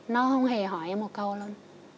nó không hề hỏi em một câu luôn